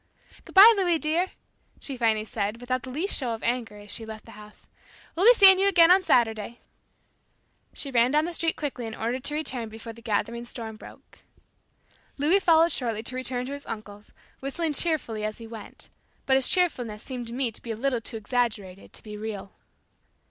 "Good bye, Louis dear!" she finally said without the least show of anger, as she left the house. "We'll be seeing you again on Saturday." She ran down the street quickly in order to return before the gathering storm broke. Louis followed shortly to return to his uncle's, whistling cheerfully as he went; but his cheerfulness seemed to me to be a little too exaggerated to be real.